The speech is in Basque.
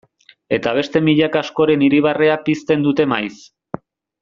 Eta beste milaka askoren irribarrea pizten dute maiz.